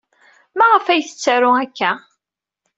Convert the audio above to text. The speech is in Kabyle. Maɣef ay tettaru akka?